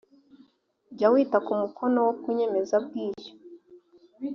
jya wita ku mukono wo ku nyemezabwishyu